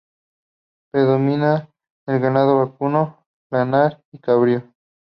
Predomina el ganado vacuno, lanar y cabrío.